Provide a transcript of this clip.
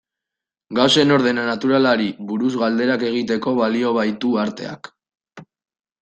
Gauzen ordena naturalari buruz galderak egiteko balio baitu arteak.